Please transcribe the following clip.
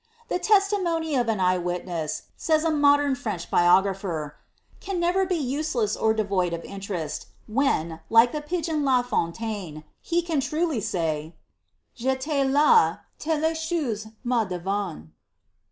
'■ The testimony of an eye wilnees," says a modern French bioetapher, " can never be useless or devoid of interest, when, like the pigeon uf L* Fontaine, he can truly say :— "J'elais la, telle chcite m'advint."